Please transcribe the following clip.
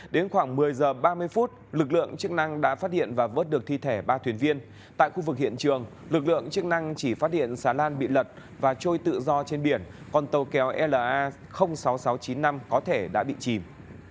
đến khoảng một mươi h ba mươi phút lực lượng chức năng đã phát hiện và vớt được thi thể ba thuyền viên tại khu vực hiện trường lực lượng chức năng chỉ phát hiện xà lan bị lật và trôi tự do trên biển còn tàu kéo la sáu nghìn sáu trăm chín mươi năm có thể đã bị chìm